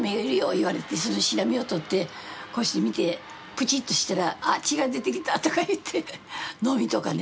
言われてそのシラミをとってこうして見てプチっとしたらあっ血が出てきたとか言ってノミとかね。